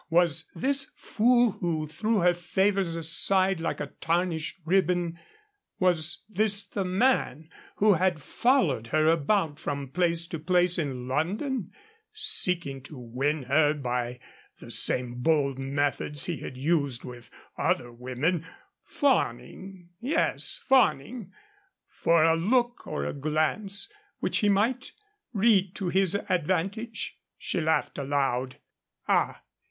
Was this fool who threw her favors aside like a tarnished ribbon, was this the man who had followed her about from place to place in London, seeking to win her by the same bold methods he had used with other women, fawning yes, fawning for a look or a glance which he might read to his advantage? She laughed aloud. Ah!